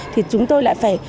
thì chúng tôi